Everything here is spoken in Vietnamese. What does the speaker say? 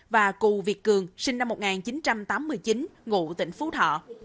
và cù việt cường sinh năm một nghìn chín trăm tám mươi chín ngụ tỉnh phú thọ